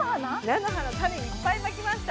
菜の花、種いっぱいまきました！